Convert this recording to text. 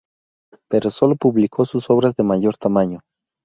Pero sólo publicó sus obras de mayor tamaño.